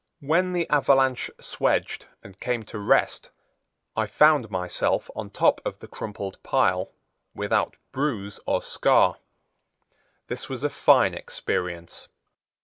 When the avalanche swedged and came to rest I found myself on top of the crumpled pile without bruise or scar. This was a fine experience.